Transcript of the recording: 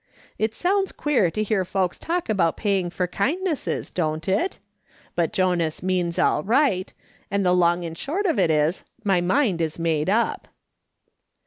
It sounds queer to hear folks talk about paying for kindnesses, don't it ? But Jonas means all right, and the long and short of it is, my mind is made up.